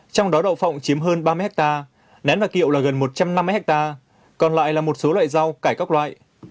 trong đó đậu phộng chiếm hơn ba mươi hectare nén và kiệu là gần một trăm năm mươi hectare còn lại là một số loại rau cải các loại